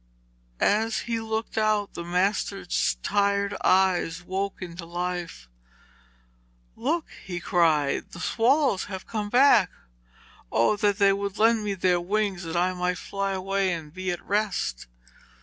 As he looked out, the master's tired eyes woke into life. 'Look!' he cried, 'the swallows have come back! Oh that they would lend me their wings that I might fly away and be at rest!'